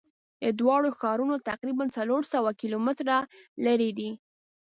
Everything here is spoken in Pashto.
دا دواړه ښارونه تقریبآ څلور سوه کیلومتره لری دي.